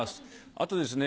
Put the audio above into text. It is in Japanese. あとですね